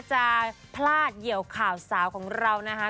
จะพลาดเหยี่ยวข่าวสาวของเรานะคะ